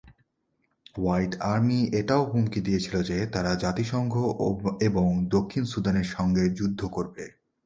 White army এটাও হুমকি দিয়েছিল যে তারা জাতিসংঘ এবং দক্ষিণ সুদানের সাথে যুদ্ধ করবে।